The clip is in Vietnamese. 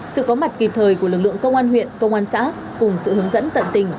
sự có mặt kịp thời của lực lượng công an huyện công an xã cùng sự hướng dẫn tận tình